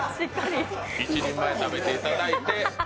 一人前食べていただいて。